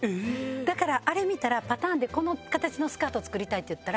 だからあれ見たらパターンでこの形のスカートを作りたいっていったら。